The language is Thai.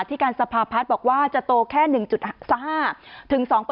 ที่การสภาพัฒน์บอกว่าจะโตแค่๑๕๒